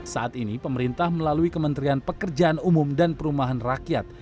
saat ini pemerintah melalui kementerian pekerjaan umum dan perumahan rakyat